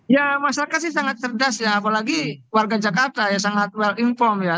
ya masyarakat sih sangat cerdas ya apalagi warga jakarta ya sangat well inform ya